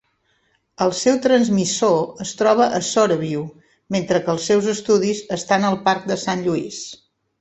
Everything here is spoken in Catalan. El seu transmissor es troba a Shoreview, mentre que els seus estudis estan al parc de San Lluís.